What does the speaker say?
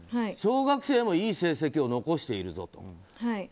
小学生もいい成績を残しているぞと。